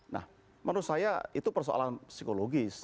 nah menurut saya itu persoalan psikologis